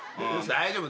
大丈夫！